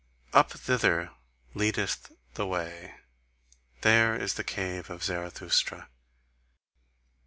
Up thither leadeth the way, there is the cave of Zarathustra.